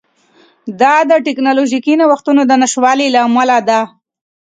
دا د ټکنالوژیکي نوښتونو د نشتوالي له امله ده